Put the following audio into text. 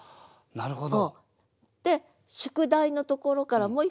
なるほど。